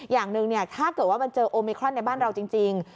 อย่างหนึ่งถ้าเกิดว่ามันเจอโอมิครอนในบ้านเราจริง